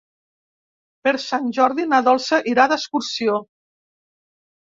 Per Sant Jordi na Dolça irà d'excursió.